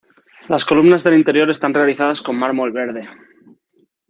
Las columnas del interior están realizadas con mármol verde.